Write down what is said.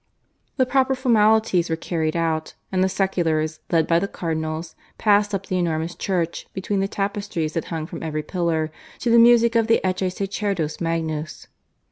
The proper formalities were carried out; and the seculars, led by the Cardinals, passed up the enormous church, between the tapestries that hung from every pillar, to the music of the Ecce Sacerdos magnus.